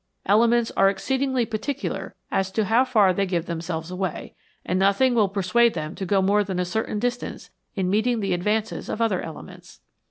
Elements are exceedingly particular as to how far they give themselves away, and nothing will persuade them to go more than a certain distance in meeting the advances of other elements.